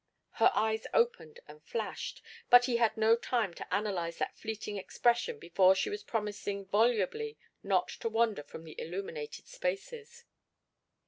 Her eyes opened and flashed, but he had no time to analyze that fleeting expression before she was promising volubly not to wander from the illuminated spaces.